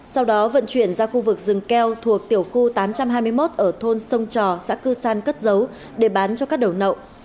sau đó vận chuyển ra khu vực rừng keo thuộc tiểu khu tám trăm hai mươi một ở thôn sông trò xã cư san cất giấu để bán cho các đầu nậu